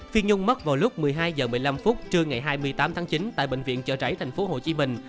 phi nhung mất vào lúc một mươi hai h một mươi năm trưa ngày hai mươi tám tháng chín tại bệnh viện chợ trảy thành phố hồ chí minh